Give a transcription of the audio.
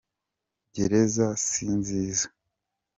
gereza sinziza